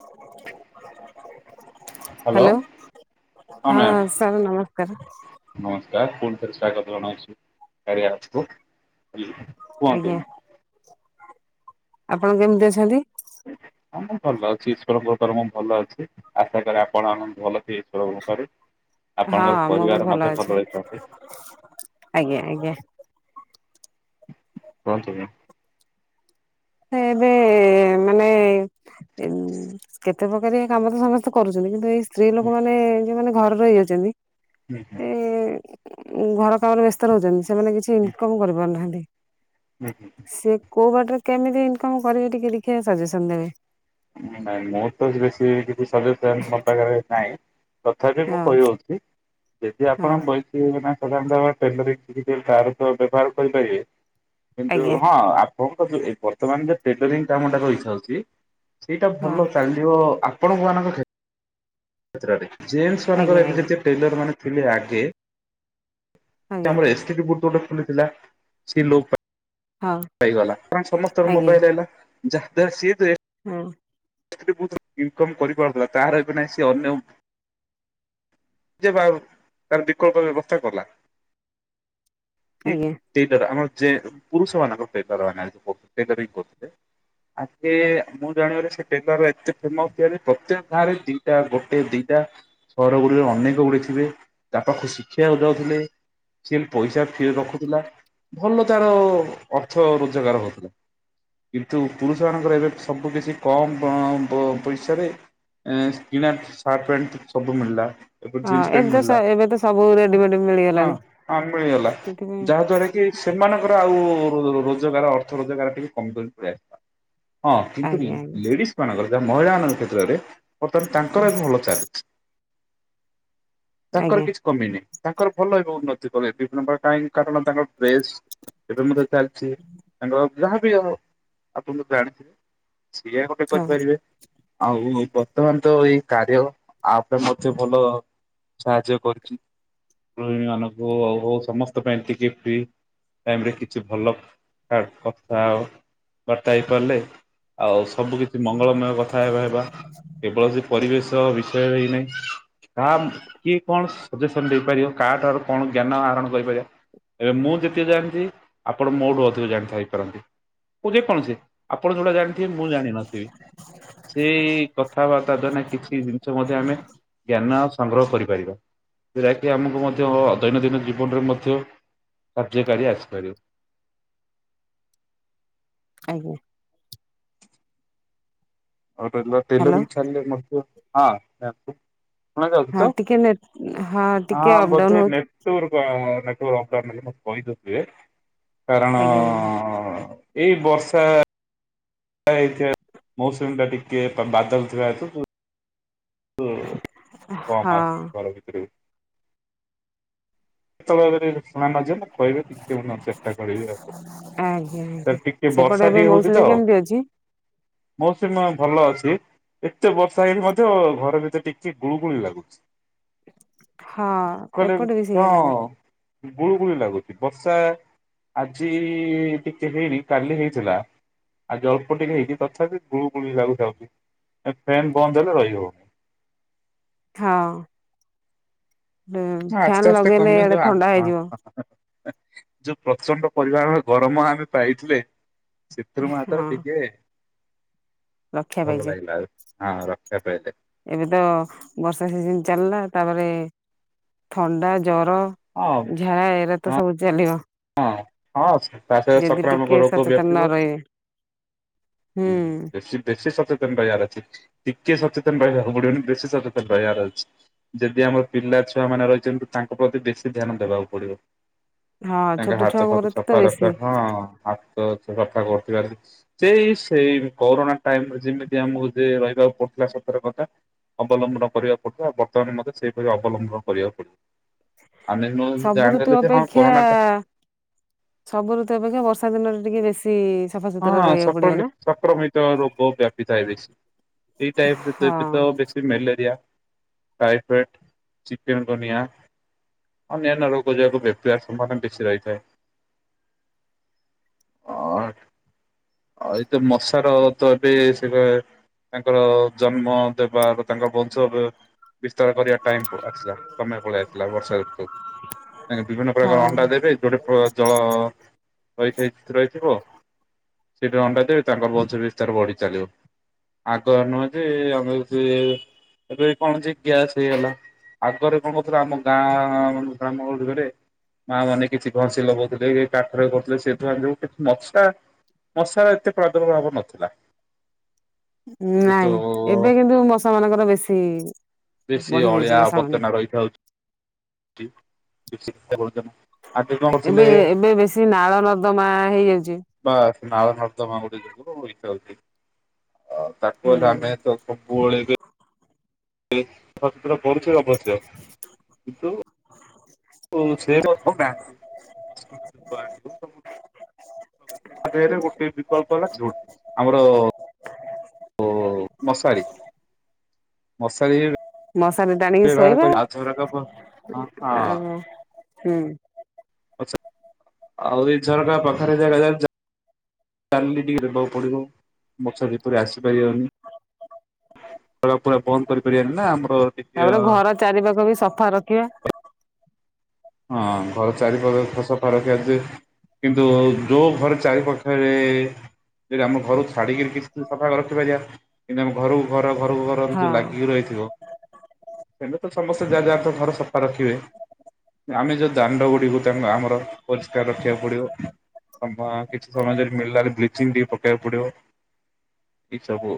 [unintelligible] Hello hello ହଁ sir ନମସ୍କାର। ନମସ୍କାର ପୁଣି ଥରେ ସ୍ୱାଗତ ଜଣାଉଛି କାରିଆ ଆପକୁ। କୁହନ୍ତୁ। ଆଜ୍ଞା ଆପଣ କେମିତି ଅଛନ୍ତି? ହଁ ମୁ ଭଲ ଅଛି ଈଶ୍ଵରଙ୍କ ମୁଁ ଭଲ ଅଛି ଆଶା କରେ ଆପଣ ମାନେଙ୍କୁ ଭଲ ଈଶ୍ୱରଙ୍କ କୃପାରୁ। ହଁ ଆପଣଙ୍କର ମୁଁ ବି ପରିବାର ଭଲ ମଧ୍ୟ ଅଛି ଭଲରେ ଥାଆନ୍ତୁ। ଆଜ୍ଞା ଆଜ୍ଞା କୁହନ୍ତୁ ମ୍ୟାମ୍ ସେ ଏବେ ମାନେ କେ କେତେ ପ୍ରକାରିୟା କାମ ତ ସମସ୍ତେ କରୁଛନ୍ତି କିନ୍ତୁ ଏଇ ସ୍ତ୍ରୀ ଲୋକ ମାନେ ଯୋଉମାନେ ଘରେ ରହି ଯାଉଛନ୍ତି। ହୁଁ ହୁଁ। ଉ ଘର କାମରେ ବ୍ୟସ୍ତ ରହୁଛନ୍ତି ସେମାନେ କିଛି ଇନକମ କରିପାରୁନାହାନ୍ତି। ହୁଁ ହୁଁ। ସିଏ କୋଉ ବାଟରେ କେମିତି ଇନକମ କରିବେ ଟିକେ ଦେଖିବା ସଜେସନ ଦେବେ? ନାଁ ମୁଁ ତ ବେଶୀ କିଛି ସଜେସନ ମୋ ପାଖରେ ନାହିଁ। ତଥାପି ବି ମୁଁ ହଁ କହିଦଉଛି ଯଦି ହଁ ଆପଣ ବଈଥୀବ ନା ଟେଲରିଙ୍ଗ ଶିଖିଥିବେ ତାର ବ୍ୟବହାର କରିପାରିବେ କିନ୍ତୁ ଆଜ୍ଞା ହଁ। ହଁ କ ବର୍ତ୍ତମାନ ଯେ ଟେଲରିଂ କାମଟା ରହିଥାଉଛି ସେଇଟା ଭଲ ହଁ ଚାଲିିବ। ଆପ୍ ଆପଣ ମାନଙ୍କ କ୍ଷେତ୍ରରେ ଜେନସ୍ ଆଜ୍ଞା ମାନଙ୍କର ଆଜ୍ଞା ଏବେ ଯେ ଟେଲର ମାନେ ଥିଲେ ଆଗେ ସେ ଆଜ୍ଞା ଆମର ଏସ୍ଟିଡି ବୁତଟ ଖୋଲିଥିଲା ସେ ଲୋପ ପାଇ ହଁ ପାଇଗଲା କାରଣ ସମସ୍ତଙ୍କ ମୋବାଇଲ ହେଲା ଯାହା ଦ୍ଵାରା ହୁଁ। ଥି ବହୁତ ଇନକମ୍ କରିପାରୁଥିଲା ତାହାର ଏବେ ନାହିଁ ସିଏ ଅନ୍ୟ ଯେ ବାର ତା ବିକଳ୍ପ ବ୍ୟବସ୍ଥା କଲା। ଠିକ ଆଜ୍ଞା ସେଇଟାର ଆମର ଯେ ପୁରୁଷମାନଙ୍କ ଟେଲର ଟେଲରିଂ କରଥିଲେ। ଆଗେ ମୁଁ ଜାଣିବାରେ ସେ ଟେଲାର ଏତେ ଫେମସ ପ୍ରତ୍ୟେକ ଗାଁରେ ଦିଟା ଗୋଟେ ଦିଟା ସହର ଗୁଡିରେ ଅନେକ ଗୁଡେ ଥିବେ ତା ପାଖକୁ ଶିଖିବାକୁ ଯାଉଥିଲେ। ସେ ପଇସା ଫ୍ରିରେ ରଖୁଥିଲା ଭଲ ତାର ଅର୍ଥ ରୋଜଗାର ହଉଥିଲା। କିନ୍ତୁ ପୁରୁଷ ମାନଙ୍କର ଏବେ ସବୁ କିଛି କମ୍ ପଇସାରେ ଏ କିଣା ସାର୍ଟ ପ୍ୟାଣ୍ଟ ସବୁ ମିଳିଲା। ଏ ଜିନ୍ସ ହଁ ପ୍ୟାଣ୍ଟ ଏବେ ତ ମିଳିଲା ଏବେ ତ ସବୁ ରେଡିମେଡ ମିଳିଗଲାଣି ହଁ ହଁ ମିଳିଗଲା ସେଥିପାଇଁ ଯାହା ଦ୍ଵାରା କି? ସେମାନଙ୍କର ଆଉ ରୋଜଗାର ଅର୍ଥ ରୋଜଗାର ଟିକେ କମି କମି ପଳେଇଆସିଲା। ହଁ କିନ୍ତୁ ଆଜ୍ଞା ଲେଡିଜ ମାନଙ୍କର ଯେ ମହିଳା ମାନଙ୍କ କ୍ଷେତ୍ରରେ ବର୍ତ୍ତମାନ ତାଙ୍କର ଆଜ୍ଞା ଏବେ ଭଲ ଚାଲିଛି। ତାଙ୍କର ଆଜ୍ଞା କିଛି କମିନି। ତାଙ୍କର ଭଲ ହେବେ ଉନ୍ନତି କଲେ ବିଭିନ୍ନ ପ୍ରକାର କାହିଁ କାରଣ ତାଙ୍କର ଡ୍ରେସ ଏବେ ମଧ୍ୟ ଚାଲିଛି ତାଙ୍କ ଯାହାବି ଆ ଆପଣ ତ ଜାଣିଥିବେ ସିଆ ଗୋଟେ ହଁ କରିପାରିବେ ଆଉ ବର୍ତ୍ତମାନ ତ ଏଇ କାରିୟ ଆପରେ ମଧ୍ୟ ଭଲ ସାହାଯ୍ୟ କରିଛି। ଗୃହିଣୀ ମାନଙ୍କୁ ଆଉ ହଉ ସମସ୍ତଙ୍କ ପାଇଁ ଏ ଟିକେ ଫ୍ରି ଟାଇମରେ କିଛି ଭଲ କଥା ହେବ ହେଇପାରିଲେ ଆଉ ସବୁ କିଛି ମଙ୍ଗଳମୟ କଥା ହେବା ହେବ କେବଳ ସେ ପରିବେଶ ବିଷୟରେ ହେଇ ନାହିଁ। ତାହା କିଏ କଣ ସଜେସନ ଦେଇପାରିବ କାହାଠାରୁ କଣ ଜ୍ଞାନ ଆହରଣ କରିପାରିବ। ଏବେ ମୁଁ ଯେତିକି ଜାଣିନ୍ତି ଆପଣ ମୋଠୁ ଅଧିକ ଜାଣିଥା ହେଇପାରନ୍ତି। କ ଯେ କୌଣ ସେ ଆପଣ ଯୋଉଟା ଜାଣି ମୁଁ ଜାଣିିନଥିବି ସେଇ କଥାବାର୍ତ୍ତା ଦ୍ଵାର ନା କିଛି ଜିନିଷ ମଧ୍ୟ ଆମେ ଜ୍ଞାନ ସଂଗ୍ରହ କରିପାରିବା ଯଉଟାକି ଆମକୁ ମଧ୍ୟ ଦୈନନ୍ଦିନ ଜୀବନରେ ମଧ୍ୟ ସବଜେ ପରୀ ଆସି ପାରିବ ଆଜ୍ଞା। ଆଉ ଟେଲାରି ହ୍ୟାଲୋ ଟେଲାରିଂ ଛାଡ଼ିଲେ ମଧ୍ୟ ହଁ। ଶୁଣାଯାଉଛି ହଁ ତ ଟିକେ ନେ ହଁ ଟିକେ ହଁ ଅପଡାଉନ ବୋଧେ ହଉଛି ନେଟୱର୍କ ପାଉନି। ଅାଲେ ମତେ କହିଦଉଥିବେ କାରଣ ଆଜ୍ଞା ଆଜ୍ଞା ଏଇ ବର୍ଷା ଏ ମୌସୁମୀ ଟା ଟିକେ ବାଦଲ ଥିବା ହେତୁ ହୁଁ ହଁ କାମ ଆସୁଛି ଘର ଭିତରକୁ । କେତେବେଳେ ଶୁଣାନ ଯିବ କହିବେ [unintelligible] ଚେଷ୍ଟା କରିବି ଆଉ। ଆଜ୍ଞା ତ ଆଜ୍ଞା ଟିକେ ସେପଟେ ବର୍ଷା ଏବେ ଟିକେ ହଉଛି ତ ମୌସୁମୀ କେମିତି ଅଛି? ମୌସୁମ ଭଲ ଅଛି। ଏତେ ବର୍ଷା ହେଇ ମଧ୍ୟ ଘର ଭିତରେ ଟିକେ ଗୁଳୁ ଗୁଳି ଲାଗୁଚି। ହଁ ଏପଟେ ବି। ହଁ ସେଇଆ ଲାଗେ ଗୁଳୁ ଗୁଳିୁ ଲାଗୁଚି ବର୍ଷା ଆଜି ଟିକେ ହେଇନ କାଲି ହେଇଥିଲା। ଆଜି ଜଳ୍ପ ଟିକେ ହେଇଚି ତଥାପି ଗୁଳୁ ଗୁଳୁ ବି ଲାଗୁଥାାଉଛି ଫ୍ୟନ୍ ବନ୍ଦ ହେଲେ ରହି ହଉନି। ହଁ। ହ ଆସ୍ତେ ଫ୍ୟାନ ଆସ୍ତେ ଲଗେଇଲେ କମି ଇଆଡେ ଯଉ ଥଣ୍ଡା ହେଇଯିବ ଯୋଉ ପ୍ରଚଣ୍ଡ ପରମାଣ ଗରମ ଆମେ ପାଇଥିଲେ? ଚିତୁ ମାାତ ଟିକେ [unintelligible] ଲକ୍ଷ୍ୟ ଭଲ ପାଇାଇଚେ ଲାଗିଲା ହଁ ଆଉ ରକ୍ଷା ପାଇେ ଏବେ ତ ବର୍ଷା ସିଜିନି ଚାଲିଲା ତାପରେ ଥଣ୍ଡା ଜର ହଁ ଝାଡ଼ା ଏରା ତ ହଁ ସବୁ ଚାଲିବ ହଁ ହଁ ତା ସହିତ ଯଦି ସଂକ୍ରାମକ ଟିକେ ରୋଗ ସଚେତନ ନ ରହିବେ। ହୁଁ ବେଶୀ ବେଶୀ ସଚେତନତାରହି ବାର ଅଛି ଟିକେ ଚ ରୁ ବେଶୀ ସଚେତନ ରହିବାର ଅଛି ଯଦି ଆମର ପିଲା ଛୁଆ ମାନେ ରହିଛନ୍ତି ତାଙ୍କ ପ୍ରତି ବେଶୀ ଧ୍ୟାନ ଦେବାକୁ ପଡିବ ହଁ ଛୋଟ ତାଙ୍କ ହାତ ଛୁଆଙ୍କର ଫାତ ସଫା ତ ରଖିବା ବେଶୀ ହଁ। ସେ କଥା କରୁଥିବାର ସେଇ [unintelligible] ସେଇ କରୋନା ଟାଇମରେ ଯେମିତି ଆମକୁ ଯ ରହିବାକୁ ପଡିଥିଲା ସତର କତା। ଅବଲମ୍ବନ କରିବାକୁ ପଡିବ ଆଉ ବର୍ତ୍ତମାନ ମଧ୍ୟ ସେଇପରି ଅବଲମ୍ବନ କରିବାକୁ ପଡିବ। ଆମେ ନ ସବୁ ଋତୁ ଜଣିଲେ ଯେ ହଁ ଅପେକ୍ଷା କରୋନା ଟା ସବୁ ଋତୁ ଅପେକ୍ଷା ବର୍ଷା ଦିନରେ ଟିକେ ବେଶୀ ସଫାସୁତୁରା ହଁ ରହିବାକୁ ପଡିବ ନା ସଂକ୍ରମିତ ସଂକ୍ରମିତ ରୋଗ ବ୍ୟାପିଥାାଏ ବେସି। ଏଇ ଟାଇପ ଋ ହଁ ତ ବେଶୀ ମ୍ୟାଲେରିଆ। ଟାଇଫେଟ ଚିକେନ ଦୁନିଆ। ଅନ୍ୟାନ୍ୟ ରୋଗ ଯେହେତୁ ବେପିବାର ସମ୍ୱବନା ବେଶୀ ରହିଥାଏ ଅ। [inaudible] [unintelligible] ଆଉ ଏତ ମଶାର ତ ଏବେ ସେ କ ତାଙ୍କର ଜନ୍ମ ଦେବାାର ତାଙ୍କ ବଂଶ ବିସ୍ତାର କରିବା ଟାଇ ଆସିଲା ସମୟ ପଳେଇ ଆସିଲଥିଲା ବର୍ଷା ଋତୁ। ଆ ବିଭିନ୍ନ ପ୍ରକାର ହଁ ଅଣ୍ଡା ଦେବେ ଯୋଉଠି ଜଳ ରହିଥ ରହିଥିବ। ସେଠି ଅଣ୍ଣ୍ଡା ଦେ ତାଙ୍କର ବଂଧ ବିସ୍ତାର ବଢି ଚାଲିବ। ଆଗ‌ଆ ନୁହେଁ ଯେ ଆମ ଯେ ଏବେ କଣ ଯେ ଗ୍ୟାସ୍ ହେଇଗଲା। ଆଗରେ କଣ ହ‌ଉଥିଲା ଆମ ଗାଁଆ [unintelligible] ମା ମାନେ କିଛି ଘଷି ଲଗଉଥିଲେ, [unintelligible] ଲ କାଠରେ କରୁଥିଲେ ସେ ଧୁଆଁ ଯୋଉ କି ମଶା ମଶାର ଏତେ ପ୍ରାଦୁର୍ଭ ଭାବ ନଥିଲା। ଏବେ ତ ନାଇଁ ଏବେ କିନ୍ତୁ ମଶା ମାନଙ୍କର ବେଶୀ ବେଶୀ ବଢି ଯାଇଛି ଅଳିଆ ମଶା ମାନ ଆବର୍ଜନା ରହିଥାଉଚି। [unintelligible] ଏବେ ଏବେ ବେଶୀ ନାଳ ନର୍ଦମା ହେଇଯାଉଛି। ହଁ ନାଳ ନର୍ଦ୍ଦମା ଗୋଟେ [unintelligible] ଇଛାଉଛି ଓ ତାକୁ ହୁଁ ଆମେ [unintelligible] ପଳେବେ ଇ ଫତ୍ର ପଡୁଛି ଅବଶ୍ୟ ତୁ ଓ ସେ [unintelligible] ବ୍ୟାଙ୍କ [unintelligible] [unintelligible] ଗୋଟେ ବିକଳ୍ପ ହେଲା ଯୋଉ ଆମର ଓ ମଶାରୀ ମଶାରୀ ମଶାରି ଦାନିକି ବ୍ୟବହାର ଶୋଇବା କରି ଆଉ ଝରକା ପ ହଁ ଆଉ ହୁଁ ଅଛା, ଆଉ ଇ ଝରକା ପାଖରେ ଯେ [unintelligible] ଚାଲିଲି ଟିକେ ଦେବାକୁ ପଡିବ ମସା ଯେପରି ଆସିପାରିବନି। ପୁରା ପୁରା ବନ୍ଦ କରିପାରିବାନି ନା ଆମ ତାପରେ ଘର ଚାରି ପାଖ ବି ସଫା ରଖିବା। ହଁ ଘର ଚାରିପଖରେ ଖସଫା ରଖିବା ଯେ କିନ୍ତୁ ଯୋଉ ଘର ଚାରି ପାଖରେ। ଯଦି ଆମ ଘରକୁ ଛାଡିକିରି କିଛି ସଫା ରଖିବା [unintelligible] ଘରୁ ଘ ଘରକୁ ଘର ହଁ ଯୋଉ ଲାଗିକି ରହିଥିବ ସେମ ତ ସମସ୍ତେ ଯାହା ଯାହା ତ ଘର ସଫା ରଖିବେ ଆମେ ଯୋଉ ଦାଣ୍ଡ ଗୁଡିକୁ ତାଙ୍କୁ ଆମର ପରିଷ୍କାର ରଖିବାକୁ ପଡିବ। ସମ କିଛି ସମୟ ଯଦି ମିଳିଲା ବ୍ଲିଚିଂ ଟି ପକେଇବାକୁ ପଡିବ। ଠିସବୁ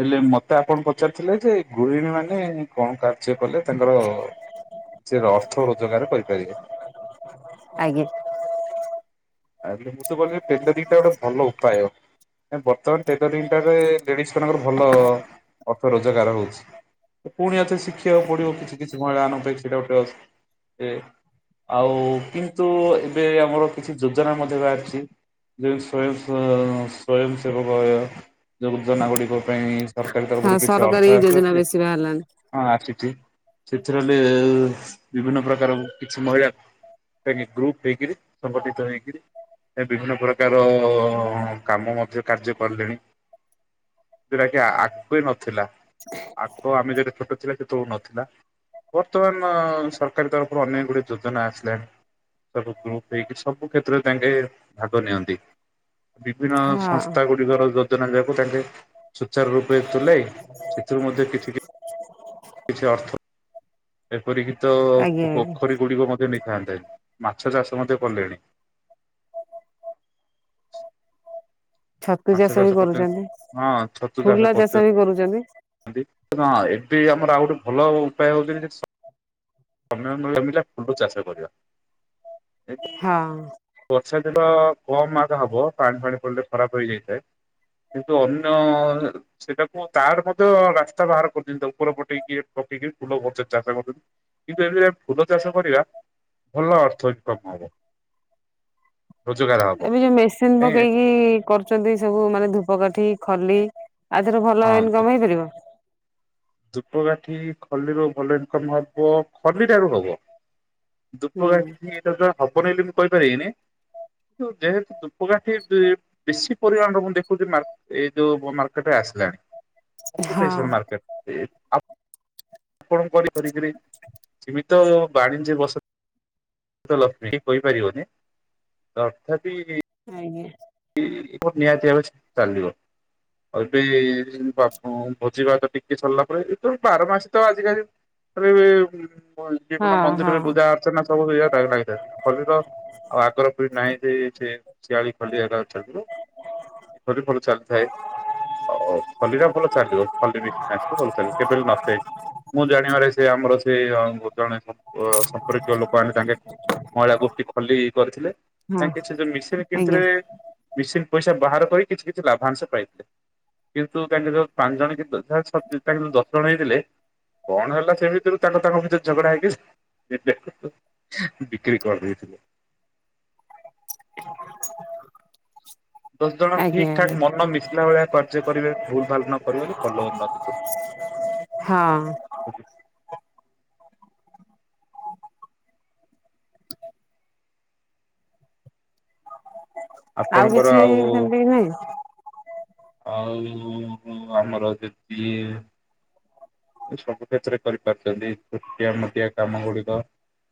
ହେଲେ ମତେ ଆପଣ ପଚାରିଥିଲେ ଯେ ଗୃହିଣୀ ମାନେ କଣ କା କଲେ ତାଙ୍କର ସେ ଅର୍ଥ ରୋଜଗାର କରିପାରିବେ। ଆଜ୍ଞା। ଆଲେ ମୁଁ ତ ଗଲେ [unintelligible] ଦିଟା ଗୋଟେ ଭଲ ଉପାୟ। ଏ ବର୍ତ୍ତମାନ ଟେଲରିଙ୍ଗ୍ ଟାରେ ଲେଡିଜ ମାନଙ୍କର ଭଲ ଅର୍ଥ ରୋଜଗାର ହଉଛି। ପୁଣି ଏଥର ଶିଖିବାକୁ ପଡିବ କିଛି କିଛି ମହିଳାମାନ ପାଇଁ ସେଟା ଗୋଟେ ଅ ଏ ଆଉ କିନ୍ତୁ, ଏବେ ଆମର କିଛି ଯୋଜନା ମଧ୍ୟ ବାହାରଛି। ଯେ ସ୍ବୟଂ [unintelligible] ସ୍ବୟଂ ସବବୟ ଯୋଜନା ଗୁଡିକ ପାଇଁ ସରକାର ହଁ ତରଫରୁ କିଛି ଅର୍ଥ ସରକାରୀ ଯୋଜନା ଆସୁଅଛି। ବେଶୀ ବାହାରିଲାଣି ହଁ ଆସିଛି, ସେଥିରେଲେ ବିଭିନ୍ନ ପ୍ରକାର କିଛି ମହିଳା ଏନେ ଗ୍ରୁପ ଦେଇକିରି ସମ୍ପତ୍ତି ହଇକରି ବିଭିନ୍ନ ପ୍ରକାର କାମ ମଧ୍ୟ କାର୍ଯ୍ୟ କିଲେଣି। ଯେଉଟା କି ଆଗେ ନଥିଲା। ଆଗ ଆମେ ଯେବେ ଛୋଟ ଥିଲା ସେ ସବୁ ନଥିଲା ବର୍ତ୍ତମାନ ସରକାର ତରଫରୁ ଅନେକ ଗୁଡିଏ ଯୋଜନା ଆସିଲାଣି। ସବୁ ଗ୍ରୁପ୍ ହେଇକି ସବୁ କ୍ଷେତ୍ରରେ ତାଙ୍କେ ଭାଗ ନିଅନ୍ତି। ବିଭିନ୍ନ ହଁ ସଂସ୍ଥା ଗୁଡିକର ଯୋଜନା ଯେମ୍ ତାଙ୍କେ ସଚାର ରୂପେ ତୁଲାଇ ସେଥିରୁ ମଧ୍ୟ କିଛି କି କିଛି ଅର୍ଥ ପରୀକ୍ଷିତ ଆଜ୍ଞା ଅ ଆଜ୍ଞା ପୋଖରୀ ଗୁଡିକ ମଧ୍ୟ ନେଇ [inaudible] ମାଛ ଚାଷ ମଧ୍ୟ କଲେଣି। ଛତୁ ମାଛ ବି ଚାଷ କରୁଛନ୍ତି କରୁଚନ୍ତି ହଁ ଛତୁଚାଷ ଫୁଲ ଚାଷ କରୁଚନ। ବି କରୁଛନ୍ତି [unintelligible] ଅଁ ଏଠି ଆମର ଆଉଟେ ଭଲ ଉପାୟ ହଉଛିି [unintelligible] ଅମେ ଆମ ଜମିଲା ଫୁଲ ଚାଷ କରିବା। ହଁ। ବର୍ଷାଦିନ କମ ଆାଗ ହବ ପାଣି ଫାଣି ପଡ଼ିଲେ ଖରାପ ହେଇଯାଇଥାଏ। କିନ୍ତୁ ଅନ୍ୟ ସେଟାକୁ ତାର ମଧ୍ୟ ରାସ୍ତା ବାହାର କରିଦିଅତା ଉପର ପଟେଇକି ଟିକ ଫୁଲ ଗଛରେ ଚାଷ କରୁଛନ୍ତି କିନ୍ତୁ ଏମତି ଫୁଲ ଚାଷ କରିବା। ଭଲ ଅର୍ଥ ଇନ୍ କମ୍ ହବ। ରୋଜଗାର ହବ। ଏବେ ଯୋଉ ମେସିନ୍ କାଇଁ ପକେଇକି କରୁଛନ୍ତି ସବୁ ମାନେ ଧୂପକାଠି ଖଲି। ଆଜିର ଭଲ ଇନକମ ହେଇପାରିବ। ଧୂପକାାଠି ଖଲଲିରୁ ଭଲ ଇନକମ ହବ ଖଲଲିଟାରୁ ହବ। ଦୁ ହୁଁ ଗାଠି ଏ ଯା ହବନି ବୋଲି ମୁଁ କହିପାରିବନି। କିୁ ଯେହେତୁ ଧୂପକାଠି ବେଶୀ ପରିମାଣରେ ମୁଁ ଦେଖୁଛି ଏଇ ଯୋଉ ମାର୍କେଟରେ। ହଁ ଆସିଲାଣିେଶର ମେଟ [unintelligible] ଆ [inaudible] ଆ କଣ କରି କରିକରି ସୀମିତ ବାଣିଜ୍ୟ ବସ ଲକ୍ଷ୍ମୀ କହିପାରିବନି ତଥାପି ଆଜ୍ଞା ନିହାତି ଚାଲିବ ଏବେ ବା ଭୋଜିିଭାତ ଟିକେ ସରିଲା ପରେ ଏ ବାର ମାସ ତ ଆଜିିକାଲି ଯ ହଁ ମନ୍ଦିରରେ ହଁ ପୂଜା ଅଚ୍ଚନା ସବୁ ଲାଗିଥାଏ ଆଉ ଆଗର ନାହିଁ ଯେ ସେ ଶିଆଳି ଖୋଲିବା [unintelligible] ହ [inaudible] ଏ ଫରେ ଫରୁ ଚାଲୁଥାଏ [unintelligible] ଓ ଖଲି ଟା ଭଲ ଚାଲିବ ଖଲି ମିଶି ଭଲ ଚାଲିଲ କେବେ ନଥେ ମୁଁ ଜାଣିବାରେ ସେ [unintelligible] ଆମର ସେ ଜଣେ ସମ୍ପର୍କୀୟ ଲୋକ ଆଣି ତାଙ୍କେ ମହିଳା ଗୋଷ୍ଠୀ ଖଲି କରିଥିଲେ ହଁ ତାଙ୍କ ସେ ଯୋଉ ମେସିନ୍ ଆଜ୍ଞା କିଣିଥିଲେ ମେସିନ୍ ପଇସା ବାହାର କରି କିଛି କିଛି ଲାଭାଂଶ ପାଇଥିଲେ। କିନ୍ [unintelligible] କା ଯ ପାଞ୍ଚ ଜଣ କି ଯା ତା ଦଶ ଜଣ ହେଇଥିଲେ କଣ ହେଲା ସେମିତିରୁ ତାଙ୍କ ତାଙ୍କ ଭିତରେ ଝଗଡା ହେଇକି ବିକ୍ରି କରିଦେଇଥିଲେ ହ [inaudible] ଦଶ ଜଣ ଠିକ ଠାକ ମନ ମିଶିଲା ଭଳିଆ କାର୍ଯ୍ୟ କରିବେ ଭୁଲ ଭାଲ ନ କରିବେ ଭଲ ଉନ୍ନତି କର ହଁ ଆଉ ଆପଣଙ୍କର କିଛି ଆଉ ସେମିତି କି ନାହିଁ? ଆଉ ଆମର ଯଦି ସବୁ କ୍ଷେତ୍ରରେ କରିପାରୁଛନ୍ତି ଛୋଟିଆ ମୋଟିଆ କାମ ଗୁଡିକ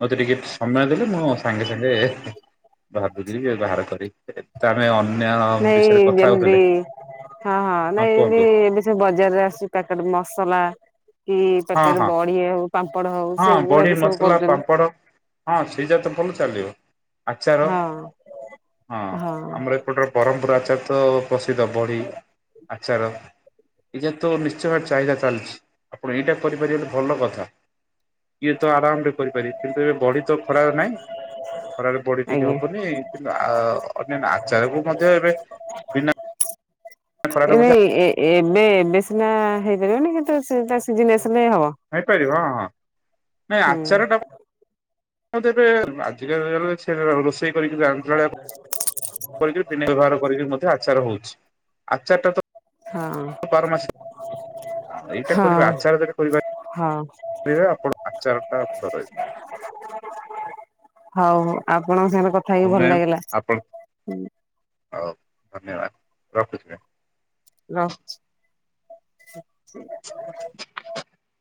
ମତେ ଟିକେ ସମୟ ଦେଲେ ମୁଁ ସାଙ୍ଗେ ସାଙ୍ଗେ ବାରି ବାହାର କରି ଆମେ ଅ [unintelligible] ନାଇଁ ଯେମିତି ହଁ ହଁ ନାଇଁ ଏ ବି ଏବେ ସବୁ ବଜାରରେ ଆସୁଛି ପ୍ୟାକେଟ ମସଲା କି ହଁ ପକେଟ ହଁ ବଡି ହଉ ପାମ୍ପଡ ହଉ ହଁ ସେଗୁଡା ବଡ଼ି ବି ସବୁ ମସଲା କରୁଛନ୍ତି ପାମ୍ପଡ଼ ହଁ ସି ଯା ତ ଭଲ ଚାଲିବ ଆଚାର ହଁ ହଁ ଆମର ଏପଟରେ ବରହମପୁର ଆଚାର ତ ପ୍ରସିଦ୍ଧ ବଡି ଆଚାର। ଏଇଟା ତ ନିଶ୍ଚୟ ଭାବରେ ଚାହିଦା ଚାଲିଛି ଆପଣ ଏଇଟା କରିପାରିବେ ଭଲ କଥା । ଇଏ ତ ଆରାମ ରେ କରିପାରିବି କିନ୍ତୁ ଏବେ ବଡି ତ ଖରା ନାଇଁ ଖରାରେ ବଡି ଟିକେ ଆଜ୍ଞା ହବନି କିନ୍ତୁ ଆ ଅନ୍ୟାନ୍ୟ ଆଚାରକୁ ମଧ୍ୟ ଏବେ ବିନା ଖରାରେ ଏ ମଧ୍ୟ ନାଇଁ ଏବେ ଏବେ ସିନା ହେଇପାରିବନି କି ହେଇପାରିବ ହଁ ହଁ ନାଇଁ ହୁଁ ଆଚାର ଟା ବେ ଆଜିିକା ଛ ରୋଷେଇ [unintelligible] କରିକି ବିନା ବ୍ୟବହାର କରିକି ମଧ୍ୟ ଆଚାର ହୋଇଚି । ଆଚାରଟା ହଁ ତ ହଁ [unintelligible] ହଁ ରେ ଆପଣ ଆଚାର ଟା ଭଲ ରହିବ ହଉ ହଉ ଆପଣଙ୍କ ସାଙ୍ଗରେ କଥା ହେଇକି ହଉ ଭଲ ମ୍ୟାମ୍ ଲାଗିଲା ଆପଣ । ହଉ ଧନ୍ୟବାଦ ରଖୁଛି [unintelligible]